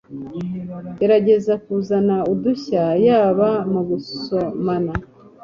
gerageza kuzana udushya yaba mugusomana,